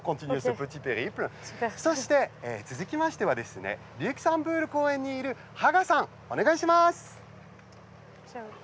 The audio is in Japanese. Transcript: そして、続きましてはリュクサンブール公園にいる芳賀さん、お願いします。